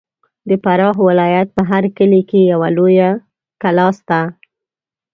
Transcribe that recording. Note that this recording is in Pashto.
د فراه ولایت په هر کلي کې یوه لویه کلا سته.